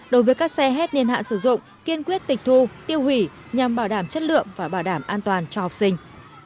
đối với các xe hết niên hạn sử dụng kiên quyết tịch thu tiêu hủy nhằm bảo đảm chất lượng và bảo đảm an toàn cho học sinh